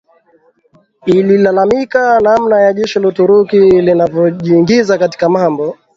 ililalamika namna jeshi la Uturuki linavojiingiza katika mambo